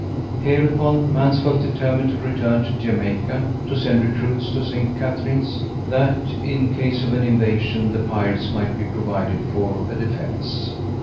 Hereupon, Mansvelt determined to return to Jamaica, to send recruits to St. Catherine's, that in case of an invasion the pirates might be provided for a defence.